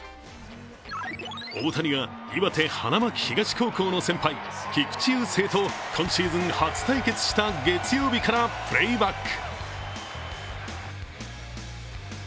大谷が岩手・花巻東高校の先輩菊池雄星と今シーズン初対決した月曜日からプレーバック。